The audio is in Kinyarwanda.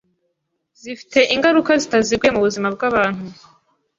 Zifite ingaruka zitaziguye mubuzima bwabantu.